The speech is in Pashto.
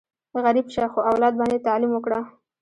غریب شه، خو اولاد باندې دې تعلیم وکړه!